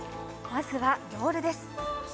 まずはロールです。